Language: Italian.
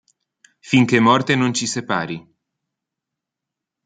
Finché morte non ci separi